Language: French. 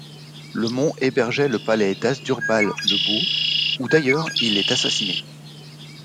Le mont hébergeait le palais d'Hasdrubal le Beau, où d'ailleurs il est assassiné.